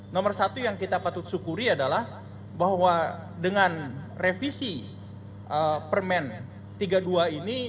nomor satu yang kita patut syukuri adalah bahwa dengan revisi permen tiga puluh dua ini